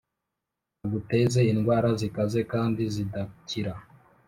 aguteze indwara zikaze kandi zidakira.